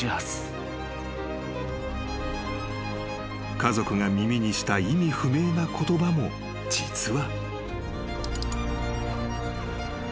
［家族が耳にした意味不明な言葉も実は］